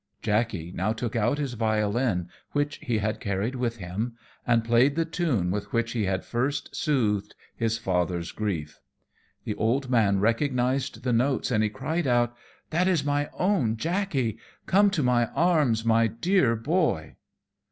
Jackey now took out his violin, which he had carried with him, and played the tune with which he had first soothed his father's grief. The old man recognized the notes, and he cried out, "That is my own Jackey! Come to my arms, my dear Boy!"